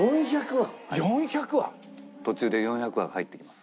途中で４００話が入ってきます。